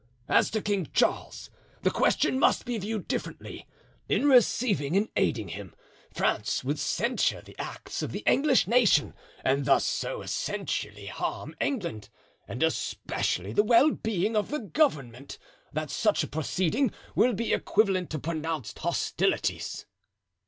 As to King Charles, the question must be viewed differently; in receiving and aiding him, France will censure the acts of the English nation, and thus so essentially harm England, and especially the well being of the government, that such a proceeding will be equivalent to pronounced hostilities."